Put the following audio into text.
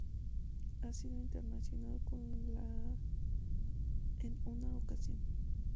Ha sido internacional con la en una ocasión.